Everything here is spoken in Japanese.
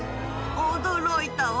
驚いたわ。